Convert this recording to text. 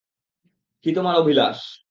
কী তোমার অভিলাষ?